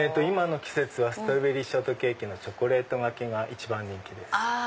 今の季節はストロベリーショートケーキのチョコレートがけが一番人気です。